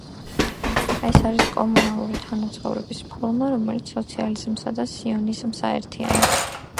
ეს არის კომუნალური თანაცხოვრების ფორმა, რომელიც სოციალიზმსა და სიონიზმს აერთიანებს.